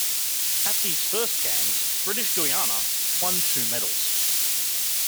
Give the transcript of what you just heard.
At these first Games, British Guiana won two medals.